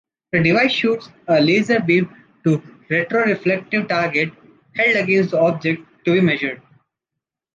The device shoots a laser beam to a retroreflective target held against the object to be measured.